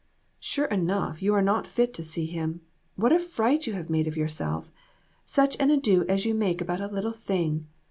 "Sure enough, you are not fit to see him. What a fright you have made of yourself. Such an ado as you make about a little thing